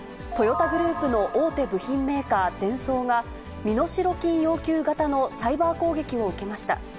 トヨタグループの大手部品メーカー、デンソーが、身代金要求型のサイバー攻撃を受けました。